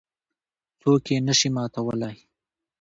څوک یې نه شي ماتولای.